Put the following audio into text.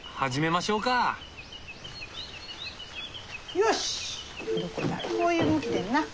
よしこういう向きでんな。